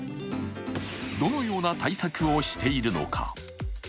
どのような対策をしているのか。